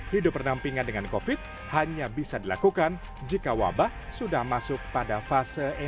hidup berdampingan dengan covid sembilan belas hanya bisa dilakukan jika wabah sudah masuk pada fase enam